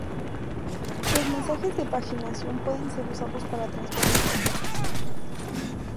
Los mensajes de paginación pueden ser usados para transferir información.